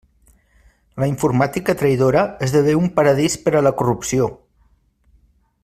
La informàtica traïdora esdevé un paradís per a la corrupció.